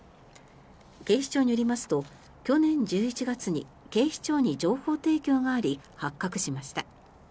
警視庁によりますと去年１１月に警視庁に情報提供があり発覚しました。